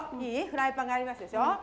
フライパンがありますでしょう